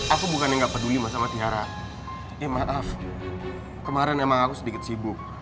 aku bukannya gak peduli sama tiana ya maaf kemaren emang aku sedikit sibuk